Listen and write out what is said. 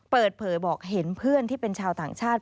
เปิดเผยบอกเห็นเพื่อนที่เป็นชาวต่างชาติ